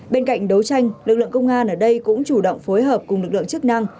bên cạnh đấu tranh lực lượng công an ở đây cũng chủ động phối hợp cùng lực lượng chức năng